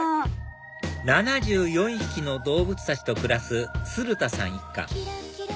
７４匹の動物たちと暮らす鶴田さん一家